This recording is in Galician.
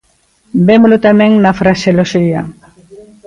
Vémolo tamén na fraseoloxía.